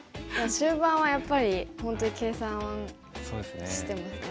終盤はやっぱり本当に計算してますね。